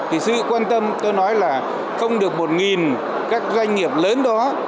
thì sự quan tâm tôi nói là không được một các doanh nghiệp lớn đó